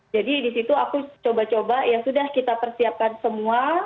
jadi disitu aku coba coba ya sudah kita persiapkan semua